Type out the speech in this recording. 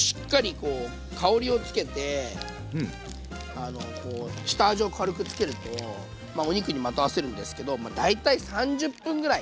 こう香りをつけて下味を軽くつけるとまあお肉にまとわせるんですけど大体３０分ぐらい。